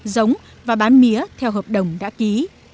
giống và bán mía theo hợp đồng đã ký